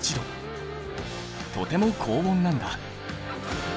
とても高温なんだ。